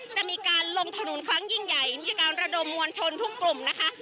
จะมีการลงถนนครั้งยิ่งใหญ่มีการระดมมวลชนทุกกลุ่มนะคะ